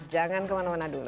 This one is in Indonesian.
jangan kemana mana dulu